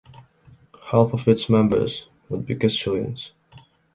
Half of its members would be Castilians.